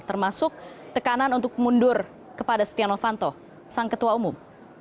termasuk tekanan untuk mundur kepada setia novanto sang ketua umum